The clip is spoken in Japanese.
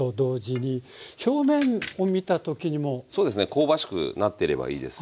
香ばしくなってればいいです。